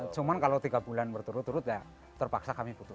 cuma kalau tiga bulan berturut turut ya terpaksa kami putus